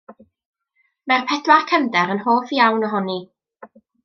Mae'r pedwar cefnder yn hoff iawn ohoni.